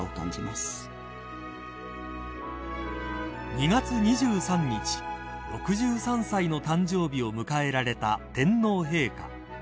［２月２３日６３歳の誕生日を迎えられた天皇陛下］